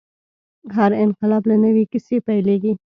هر انقلاب له نوې کیسې پیلېږي.